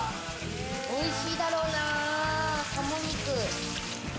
おいしいだろうな、鴨肉。